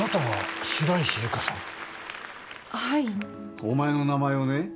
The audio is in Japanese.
お前の名前をね